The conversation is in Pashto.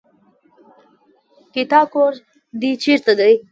ګيتا کور دې چېرته دی.